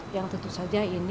yang tentu saja ini